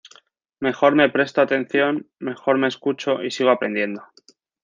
Mejor me presto atención, mejor me escucho y sigo aprendiendo.